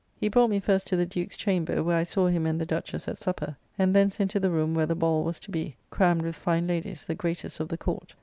He brought me first to the Duke's chamber, where I saw him and the Duchess at supper; and thence into the room where the ball was to be, crammed with fine ladies, the greatest of the Court.